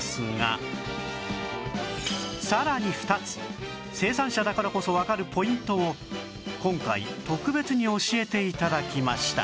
さらに２つ生産者だからこそわかるポイントを今回特別に教えて頂きました